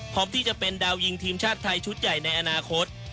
พร้อมที่จะเป็นดาวยิงทีมชาติไทยชุดใหญ่ในอนาคต